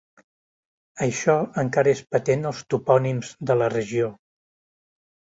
Això encara és patent als topònims de la regió.